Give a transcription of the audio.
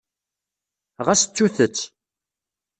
Ɣas ttut-tt.